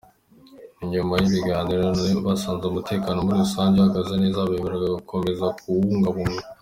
Nyuma y’ibiganiro basanze umutekano muri rusange uhagaze neza, bemerenywa gukomeza kuwubungabunga.